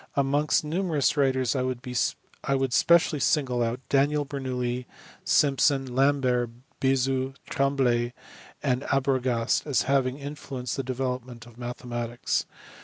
Amongst numerous writers I would specially single out Daniel Bernoulli, Simpson, Lambert, Bezout, Trembley, and Arbogast as having influenced the development of mathematics.